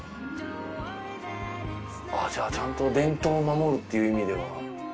じゃあちゃんと伝統を守るっていう意味では。